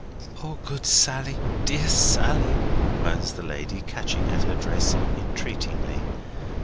"O good Sally, dear Sally," moans the lady, catching at her dress entreatingly.